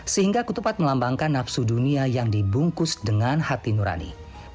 sehingga ketupat melambangkan nafsu dunia yang dibungkus dengan hati nurani